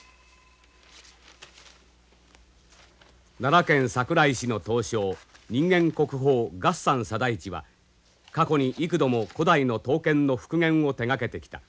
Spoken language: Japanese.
奈良県桜井市の刀匠人間国宝月山貞一は過去に幾度も古代の刀剣の復元を手がけてきた。